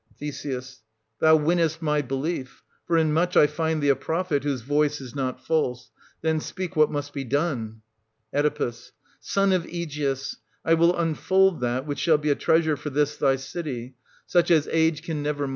Th. Thou winnest my belief, for in much I find thee a prophet whose voice is not false ;— then speak what must be done. Oe. Son of Aegeus, I will unfold that which shall be a treasure for this thy city, such as age can never 1520— IS48] OEDIPUS AT COLONUS.